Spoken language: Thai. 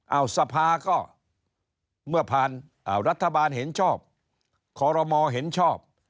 เอาสภาก็เมื่อผ่านรัฐบาลเห็นชอบคอรมอเห็นชอบ